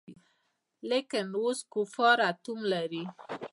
لکېن اوس کفار آټوم لري.